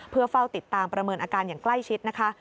เพื่อเฝ้าติดตามประเมินอาการอย่างใกล้ชิดนะคะ